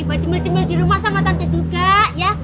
buat cemil cemil dirumah sama tante juga ya